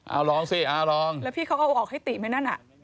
เอาลองสิเอาลองแล้วพี่เขาเอาออกให้ติไหมนั่นอ่ะ